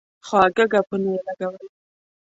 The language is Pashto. خواږه ګپونه یې لګول.